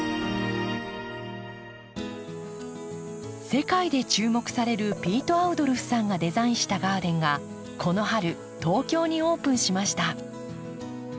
世界で注目されるピート・アウドルフさんがデザインしたガーデンがこの春東京にオープンしました。